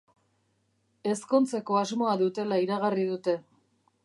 Ezkontzeko asmoa dutela iragarri dute.